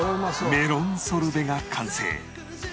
メロンソルベが完成